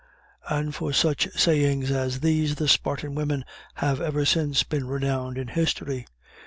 And for such sayings as these, the Spartan women have ever since been renowned in history.